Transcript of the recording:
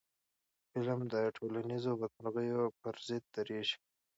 فلم د ټولنیزو بدمرغیو پر ضد درېږي